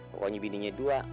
pokoknya bindingnya dua